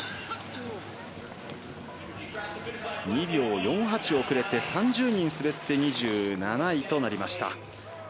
２秒４８遅れて３０人滑って２７となりました。